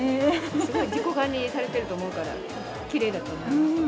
すごい自己管理されてると思うから、きれいだと思います。